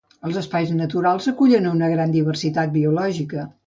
Els espais naturals acullen una gran diversitat biològica.